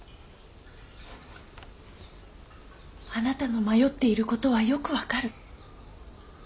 あなたの迷っていることはよく分かる。